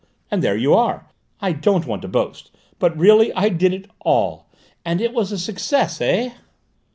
And there you are: I don't want to boast, but really I did it all! And it was a success, eh?"